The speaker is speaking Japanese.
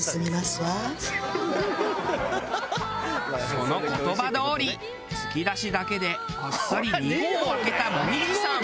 その言葉どおりつきだしだけであっさり２合を空けた紅葉さん。